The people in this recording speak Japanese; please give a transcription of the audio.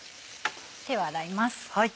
手を洗います。